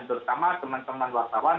terutama teman teman wartawan